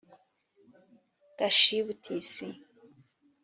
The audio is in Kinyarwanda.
Gashibutisi